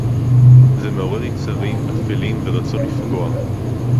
זה מעורר יצרים אפלים ורצון לפגוע